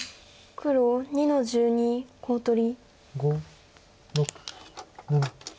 白２の十一コウ取り。